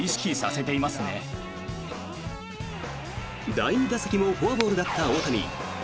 第２打席もフォアボールだった大谷。